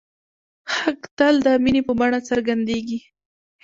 حق تل د مینې په بڼه څرګندېږي.